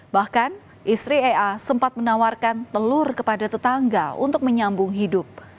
bahkan istri ea sempat menawarkan telur kepada tetangga untuk menyambung hidup